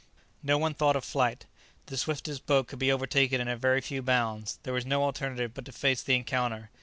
No one thought of flight. The swiftest boat could be overtaken in a very few bounds. There was no alternative but to face the encounter.